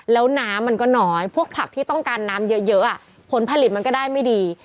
แล้วน้ำมันก็น้อยพวกผักที่ต้องการน้ำเยอะผลผลิตมันก็ได้ไม่ดี